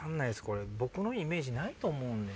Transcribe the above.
これ僕のイメージないと思うんで。